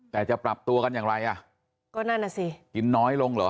แต่จะปรับตัวกันอย่างไรอ่ะก็นั่นน่ะสิกินน้อยลงเหรอ